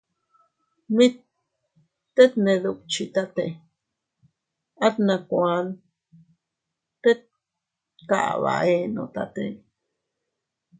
Mit tet ne dukchitate, at nakuan tet kaba eenotate.